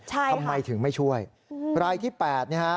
ใช่ค่ะทำไมถึงไม่ช่วยรายที่๘นี่ฮะ